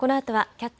「キャッチ！